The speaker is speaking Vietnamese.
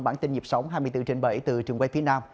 bản tin dịp sống hai mươi bốn bảy từ trường quay phía nam